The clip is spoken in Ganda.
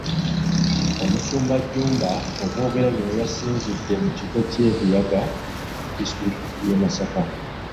Omusumba Jjumba okwogera bino yasinzidde mu kigo ky’e Buyaga mu disitulikiti y’e Masaka.